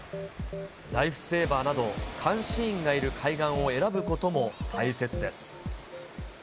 ライフセーバーなど、監視員がいる海岸を選ぶことも大切です。